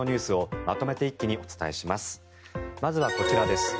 まずはこちらです。